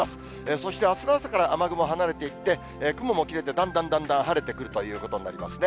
そしてあすの朝から雨雲離れていって、雲も切れて、だんだんだんだん晴れてくるということになりますね。